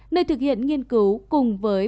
nơi thực hiện nghiên cứu cùng với